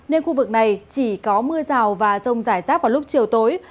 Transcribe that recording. nên khu vực này chỉ có mưa rào và rông rải rác vào lúc chiều tối